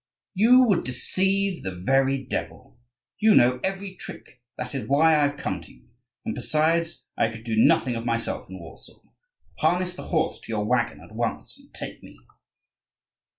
You would deceive the very devil. You know every trick: that is why I have come to you; and, besides, I could do nothing of myself in Warsaw. Harness the horse to your waggon at once and take me."